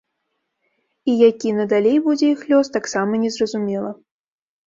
І які надалей будзе іх лёс, таксама незразумела.